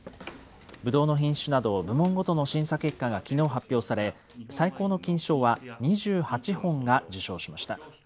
ぶどうの品種など、部門ごとの審査結果がきのう発表され、最高の金賞は２８本が受賞しました。